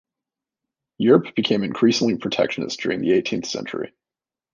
Europe became increasingly protectionist during the eighteenth century.